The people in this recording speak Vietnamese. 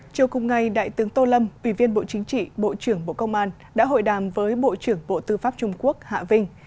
chiều cùng ngày đại tướng tô lâm ủy viên bộ chính trị bộ trưởng bộ công an đã hội đàm với bộ trưởng bộ tư pháp trung quốc hạ vinh